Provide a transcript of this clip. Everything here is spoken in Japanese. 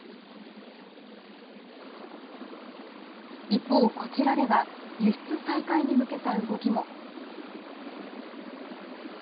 一方、こちらでは輸出再開に向けた動きも。